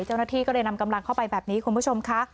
เจ้าหน้าที่ก็เลยนำกำลังเข้าไปแบบนี้คุณผู้ชมค่ะ